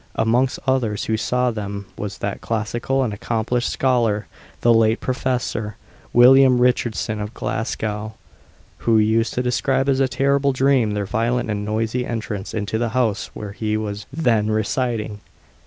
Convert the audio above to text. Amongst others who saw them was that classical and accomplished scholar the late Professor William Richardson of Glasgow, who used to describe as a terrible dream their violent and noisy entrance into the house where he was then residing.